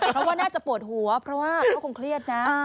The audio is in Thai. เพราะว่าน่าจะปวดหัวเพราะว่าก็คงเครียดนะ